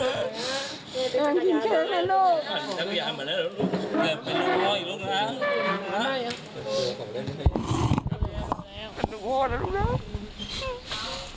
แอมขึ้นเครงนะลูก